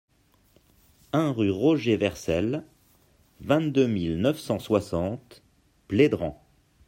un rue Roger Vercel, vingt-deux mille neuf cent soixante Plédran